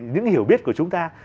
những hiểu biết của chúng ta